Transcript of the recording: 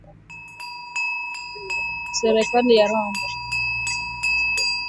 Serikali ya Rwanda, imetoa taarifa jumanne, kuwa madai hayo “si ya kweli”